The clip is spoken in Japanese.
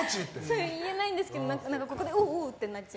それ、言えないんですけどおおってなっちゃう。